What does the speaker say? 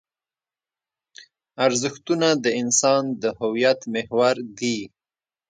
ارزښتونه د انسان د هویت محور دي.